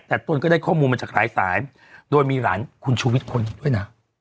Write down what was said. แต่ตนก็ได้ข้อมูลมาจากหลายสายโดยมีหลานคุณชูวิทย์คนหนึ่งด้วยนะ